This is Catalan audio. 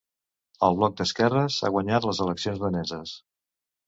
El bloc d’esquerres ha guanyat les eleccions daneses.